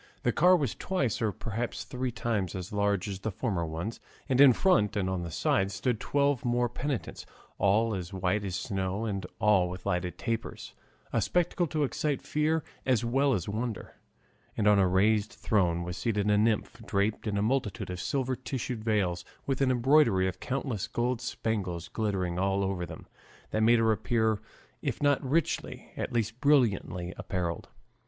The car was twice or, perhaps, three times as large as the former ones, and in front and on the sides stood twelve more penitents, all as white as snow and all with lighted tapers, a spectacle to excite fear as well as wonder; and on a raised throne was seated a nymph draped in a multitude of silver tissue veils with an embroidery of countless gold spangles glittering all over them, that made her appear, if not richly, at least brilliantly, apparelled.